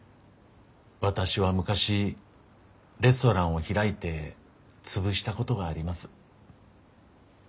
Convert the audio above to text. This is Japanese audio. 私は昔レストランを開いて潰したことがあります。